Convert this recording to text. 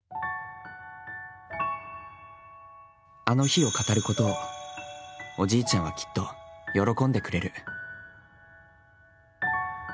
あの日を語ることをおじいちゃんはきっと喜んでくれる。